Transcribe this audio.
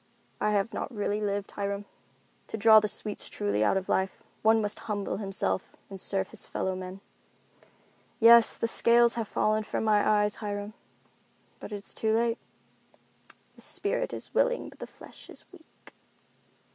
I have not really lived, Hiram. To draw the sweets truly out of life, one must humble himself and serve his fellow men. Yes, the scales have fallen from my eyes, Hiram. But it is too late, 'the spirit is willing but the flesh is weak'."